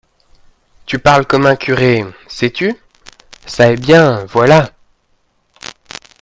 Tu parles comme un curé… sais-tu ?… ça est bien, voilà !